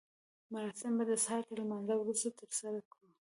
مراسم به د سهار تر لمانځه وروسته ترسره کړو.